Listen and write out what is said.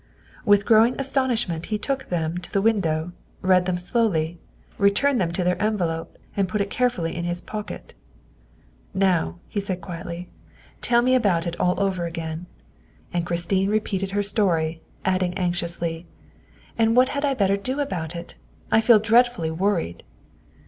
With growing astonishment he took them to the window, read them slowly, returned them to their enve lope, and put it carefully in his pocket. " Now," he said quietly, " tell me about it all over THE SECRETARY OF STATE 209 again," and Christine repeated her story, adding anx iously : "And what had I better do about it? I feel dread fully worried.